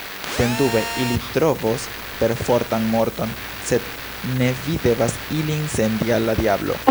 Sendube, ili trovos perfortan morton, sed ne vi devas ilin sendi al la diablo.